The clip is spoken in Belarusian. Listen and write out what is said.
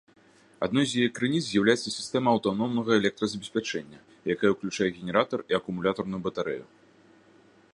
Адной з яе крыніц з'яўляецца сістэма аўтаномнага электразабеспячэння, якая ўключае генератар і акумулятарную батарэю.